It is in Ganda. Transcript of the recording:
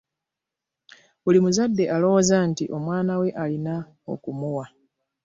buli muzadde alowooza nti omwana we alina okumuwa.